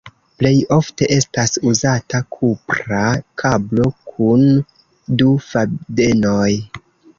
Plej ofte estas uzata kupra kablo kun du fadenoj.